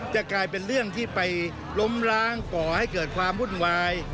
จะกลายเป็นเรื่องที่ไปล้มล้างก่อให้เกิดความวุ่นวาย